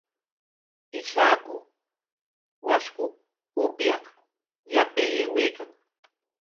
Ishaku washku upyaq yapay aywaykan.